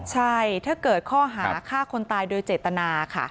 ใช่ถ้าเกิดข้อหาฆ่าคนตายโดยเจตนาค่ะ